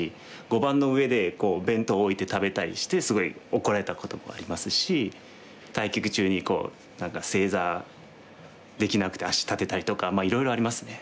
碁盤の上で弁当置いて食べたりしてすごい怒られたこともありますし対局中に何か正座できなくて足立てたりとかいろいろありますね。